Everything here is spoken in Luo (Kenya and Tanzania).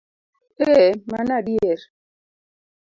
Ee, mano adier!